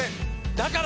だから！